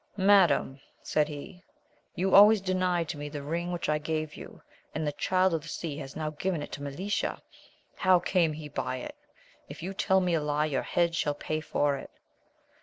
Madam, said he, you always denied to me the ring which I gave you, and the Child of the Sea has now given it to Melicia ! How came he by it ] if you tell me a lie, your head shall pay for it.